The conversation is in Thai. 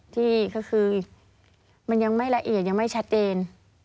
ที่ก็คือมันยังไม่ละเอียดยังไม่ชัดเจน